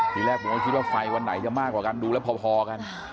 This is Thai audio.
ทีแรกผมก็คิดว่าไฟวันไหนจะมากกว่ากันดูแล้วพอกัน